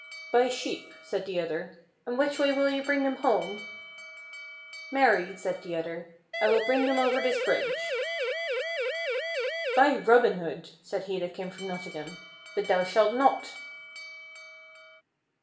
"Buy sheep," said the other; "and which way will you bring them home?" "Marry," said the other, "I will bring them over this bridge." "By Robin Hood," said he that came from Nottingham, "but thou shalt not."